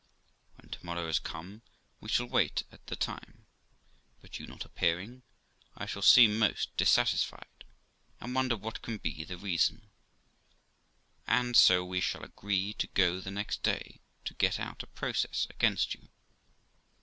'When to morrow is come, we shall wait at the time, but you not appearing, I shall seem most dissatisfied, and wonder what can be the reason; and so we shall agree to go the next day to get out a process against you.